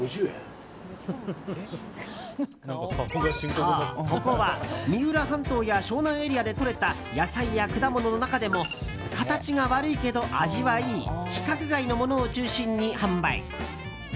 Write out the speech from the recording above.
そう、ここは三浦半島や湘南エリアでとれた野菜や果物の中でも形が悪いけど味はいい規格外のものを中心に販売。